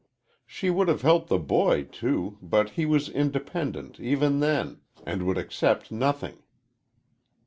She would have helped the boy, too, but he was independent, even then, and would accept nothing.